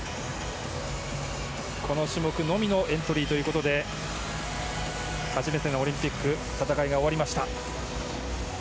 この種目のみのエントリーということで初めてのオリンピックの戦いが終わりました。